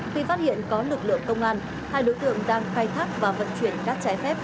khi phát hiện có lực lượng công an hai đối tượng đang khai thác và vận chuyển cát trái phép